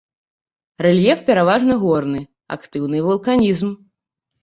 Рэльеф пераважна горны, актыўны вулканізм.